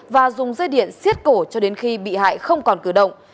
và dùng dây điện xiết cổ cho đến khi bị hại không còn cử động